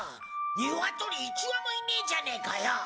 ニワトリ１羽もいねえじゃねかよ！！